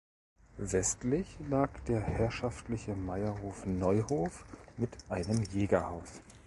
Westlich lag der herrschaftliche Meierhof Neuhof mit einem Jägerhaus.